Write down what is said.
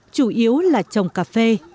chủ yếu là trồng cà phê